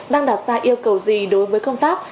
đang đặt ra yêu cầu gì đối với công tác